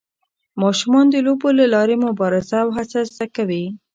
ماشومان د لوبو له لارې مبارزه او هڅه زده کوي.